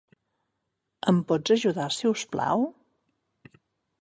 Em pots ajudar, si us plau?